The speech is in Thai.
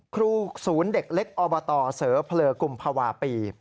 ครูศูนย์เด็กเล็กอบตเสอเผลอกุมภาวะปี